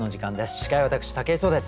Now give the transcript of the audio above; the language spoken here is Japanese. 司会は私武井壮です。